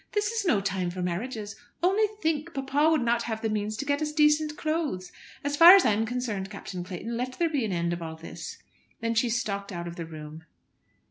This is no time for marriages. Only think, papa would not have the means to get us decent clothes. As far as I am concerned, Captain Clayton, let there be an end of all this." Then she stalked out of the room.